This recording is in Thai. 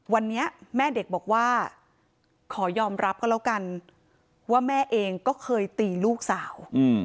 วันนี้แม่เด็กบอกว่าขอยอมรับก็แล้วกันว่าแม่เองก็เคยตีลูกสาว